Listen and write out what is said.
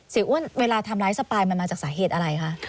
อ้วนเวลาทำร้ายสปายมันมาจากสาเหตุอะไรคะ